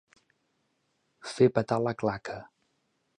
Fer petar la claca.